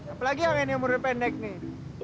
apalagi yang ini umur pendek nih